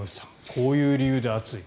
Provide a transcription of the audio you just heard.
こういう理由で暑い。